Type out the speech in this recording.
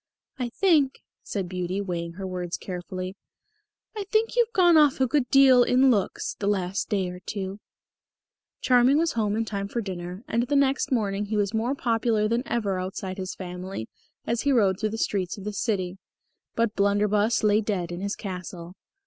"I think," said Beauty, weighing her words carefully, "I think you've gone off a good deal in looks the last day or two." Charming was home in time for dinner, and the next morning he was more popular than ever outside his family as he rode through the streets of the city. But Blunderbus lay dead in his Castle.